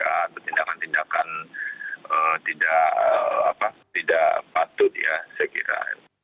atau tindakan tindakan tidak patut ya saya kira